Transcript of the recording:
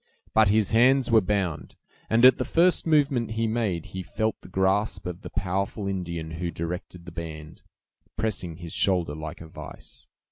But his hands were bound; and at the first movement he made, he felt the grasp of the powerful Indian who directed the band, pressing his shoulder like a vise.